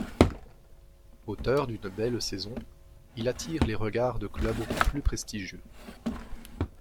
Auteur d'une belle saison, il attire les regards de clubs plus prestigieux.